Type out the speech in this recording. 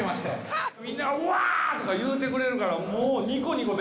みんながうわ！とかいうてくれるから。